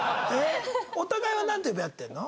お互いはなんて呼び合ってるの？